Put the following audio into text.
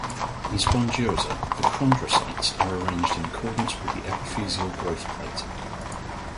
In the spongiosa, the chondrocytes are arranged in accordance with the epiphyseal growth plate.